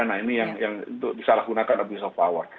nah ini yang disalahgunakan abuse of power